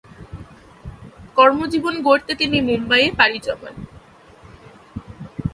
কর্মজীবন গড়তে তিনি মুম্বাইয়ে পাড়ি জমান।